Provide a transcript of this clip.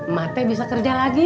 mate bisa kerja lagi